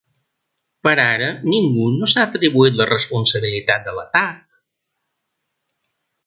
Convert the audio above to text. Per ara, ningú no s’ha atribuït la responsabilitat de l’atac.